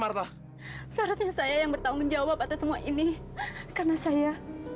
seharusnya saya yang bertanggung jawab atas semua ini karena saya